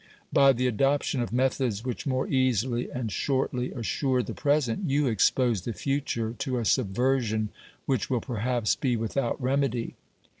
By the adoption of methods which more easily and shortly assure the present, you expose the future to a subversion which will perhaps be without remedy.